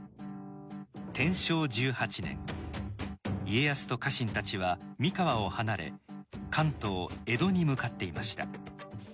天正１８年家康と家臣たちは、三河を離れ関東・江戸に向かっていました。